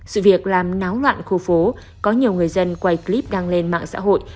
sự việc làm náo loạn khu phố có nhiều người dân quay clip đăng lên mạng xã hội